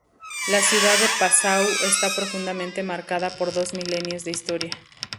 La ciudad de Passau está profundamente marcada por dos milenios de historia.